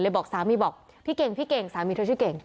บอกสามีบอกพี่เก่งพี่เก่งสามีเธอชื่อเก่ง